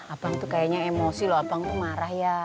abang tuh kayaknya emosi loh abang itu marah ya